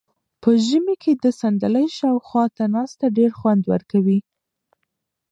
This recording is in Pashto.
په ژمي کې د صندلۍ شاوخوا ناسته ډېر خوند ورکوي.